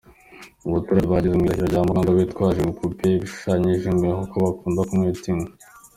Abaturage bageze mu irahira rya Mnangagwa bitwaje ibipupe bishushanya ingwe kuko bakunda kumwita Ingwe.